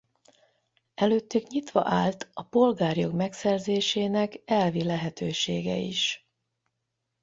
Előttük nyitva állt a polgárjog megszerzésének elvi lehetősége is.